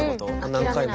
何回も。